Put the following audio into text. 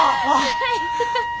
はい。